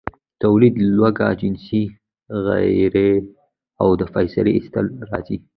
، توليد، لوږه، جنسي غريزه او د فضله ايستل راځي.